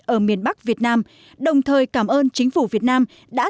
ở miền bắc việt nam đồng thời cảm ơn chính phủ việt nam đã